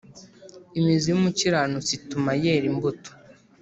imizi y’umukiranutsi ituma yera imbuto